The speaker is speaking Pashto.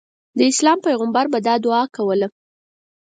د اسلام پیغمبر به دا دعا کوله.